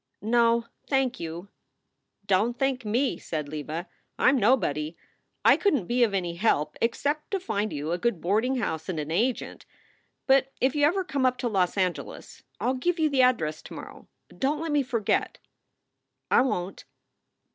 "No, thank you." " Don t thank me !" said Leva. "I m nobody. I couldn t be of any help except to find you a good boarding house and an agent. But if you ever come up to Los Angeles I ll give you the address to morrow. Don t let me forget." "I won t."